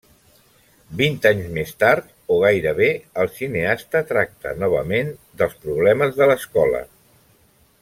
Vint anys més tard, o gairebé, el cineasta tracta, novament, dels problemes de l'escola.